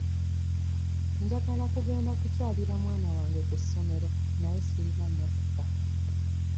Njagala kugenda kukyalira mwana wange ku ssomero naye sirina mmotoka.